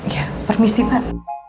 ya permisi pak